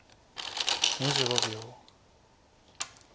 ２５秒。